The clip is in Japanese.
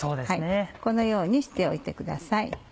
このようにしておいてください。